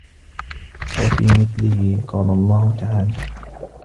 وَفِي مِثْلِهِ قَالَ اللَّهُ تَعَالَى